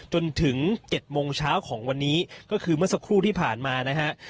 จนถึง๗โมงเช้าของวันนี้ก็คือเมื่อสักครู่ที่ผ่านมานะฮะ